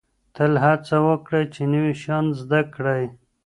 تل هڅه وکړئ چي نوي شیان زده کړئ.